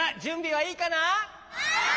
はい！